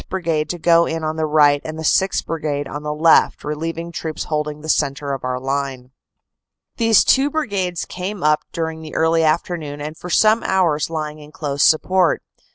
Brigade to go in on the right and the 6th. Brigade on the left, relieving troops holding the centre of our line. 266 CANADA S HUNDRED DAYS These two Brigades came up during the early afternoon and for some hours lying in close support.